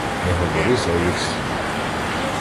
Не говори зайвих слів.